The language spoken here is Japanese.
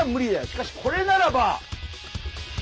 しかしこれならば。